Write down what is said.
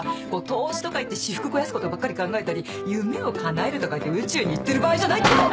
投資とか言って私腹肥やすことばっかり考えたり夢をかなえるとか言って宇宙に行ってる場合じゃないっての！